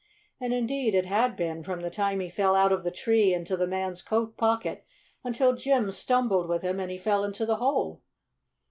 And indeed it had been from the time he fell out of the tree into the Man's coat pocket until Jim stumbled with him and he fell into the hole.